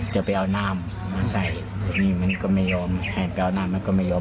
จะเอาน้ำมาใส่นี่มันก็ไม่ยอมให้ไปเอาน้ำมันก็ไม่ยอม